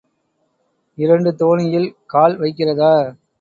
இரண்டு தோணியில் கால் வைக்கிறதா?